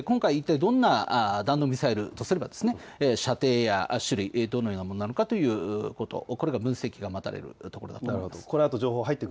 今回、一体どんなミサイル、どんな射程や種類、どんなものなのかということ、これが分析が待たれるところになります。